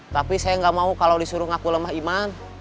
tapi saya nggak mau kalau disuruh ngaku lemah iman